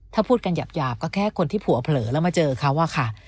ถ้าพูดกันหยาบก็แค่คนที่ผัวเผลอแล้วมาเจอเขาอะค่ะ